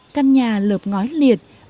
căn nhà lợp ngói liệt ẩn mình